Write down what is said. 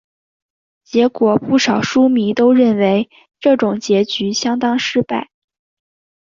结果不少书迷都认为这种结局相当失败。